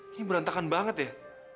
ini berantakan banget ya